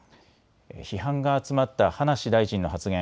批判が集まった葉梨大臣の発言。